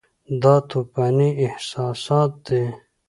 دا توپاني احساسات دي.